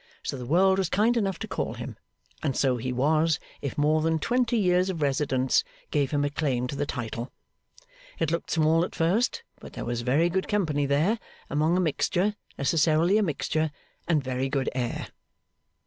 So the world was kind enough to call him; and so he was, if more than twenty years of residence gave him a claim to the title. It looked small at first, but there was very good company there among a mixture necessarily a mixture and very good air.